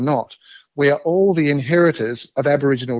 kita semua adalah pengahit aboriginal